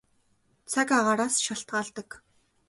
Цаг агаараас шалтгаалдаг.